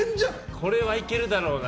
これはいけるだろうな。